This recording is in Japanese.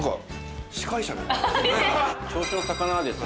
銚子の魚はですね